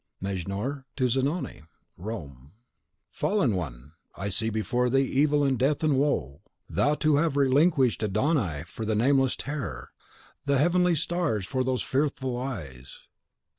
Mejnour to Zanoni. Rome. Fallen One! I see before thee Evil and Death and Woe! Thou to have relinquished Adon Ai for the nameless Terror, the heavenly stars for those fearful eyes!